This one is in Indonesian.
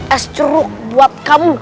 es jeruk buat kamu